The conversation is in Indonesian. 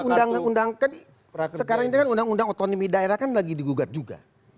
undang undang kan sekarang ini kan undang undang otonomi daerah kan lagi digugat juga